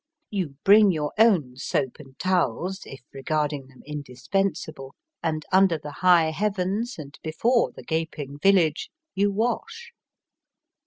You bring your own soap and towels if regarding them indispensable, and, under the high heavens and before the gaping village, you wash.